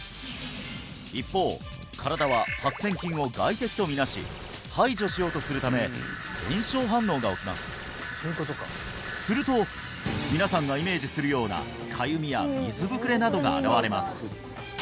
一方身体は白せん菌を外敵と見なし排除しようとするため炎症反応が起きますすると皆さんがイメージするようなかゆみや水ぶくれなどが現れます